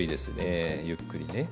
えゆっくりね。